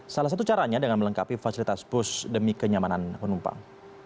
salah satu caranya dengan melengkapi fasilitas bus demi kenyamanan penumpang